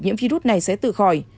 nhiễm virus này sẽ tự khỏi